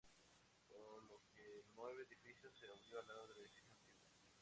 Por lo que el nuevo edificio se abrió al lado del edificio antiguo.